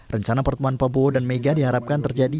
rencana pertemuan prabowo dan mega diharapkan terjadi